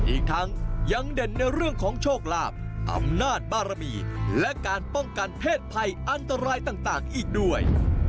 อีกทั้งยังเด่นในเรื่องของโชคลาภอำนาจบารมีและการป้องกันเพศภัยอันตรายต่างอีกด้วย